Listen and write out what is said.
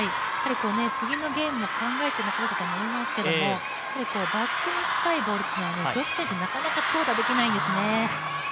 次のゲームも考えてのことだと思いますけれどもバックに深いボールから、女子選手はなかなか強打ができないんですよね。